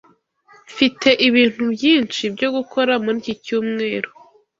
Mfite ibintu byinshi byo gukora muri iki cyumweru.